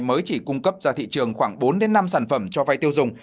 mới chỉ cung cấp ra thị trường khoảng bốn năm sản phẩm cho vay tiêu dùng